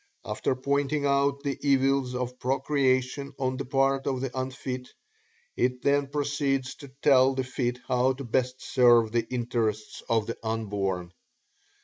After pointing out the evils of procreation on the part of the unfit, it then proceeds to tell the fit how to best serve the interests of the unborn.